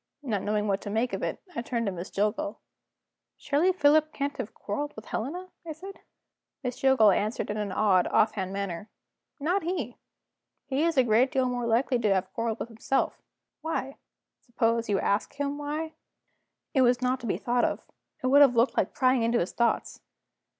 Not knowing what to make of it, I turned to Miss Jillgall. "Surely Philip can't have quarreled with Helena?" I said. Miss Jillgall answered in an odd off hand manner: "Not he! He is a great deal more likely to have quarreled with himself." "Why?" "Suppose you ask him why?" It was not to be thought of; it would have looked like prying into his thoughts.